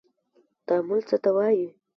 تعامل څه ته وايي.